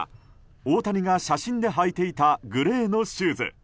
大谷が写真で履いていたグレーのシューズ。